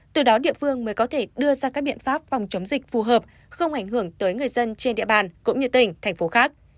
từ đó địa phương mới có thể đưa ra các biện pháp phòng chống dịch phù hợp không ảnh hưởng tới người dân trên địa bàn cũng như tỉnh thành phố khác